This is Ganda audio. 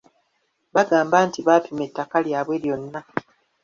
Bagamba nti baapima ettaka lyabwe lyona.